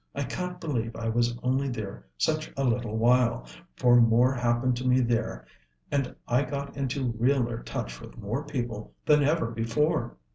I can't believe I was only there such a little while, for more happened to me there, and I got into realer touch with more people, than ever before.